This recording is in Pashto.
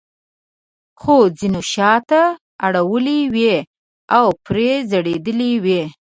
خو ځینو شاته اړولې وې او پرې ځړېدلې وې.